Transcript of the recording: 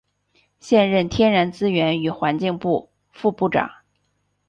现任天然资源与环境部副部长。